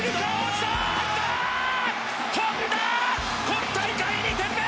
今大会２点目！